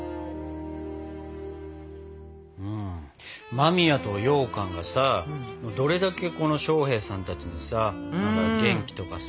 間宮とようかんがさどれだけ将兵さんたちにさ元気とかさ